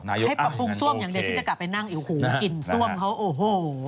ให้ปรับปรุงซ่วมอย่างเดียวที่จะกลับไปนั่งโอ้โหกลิ่นซ่วมเขาโอ้โห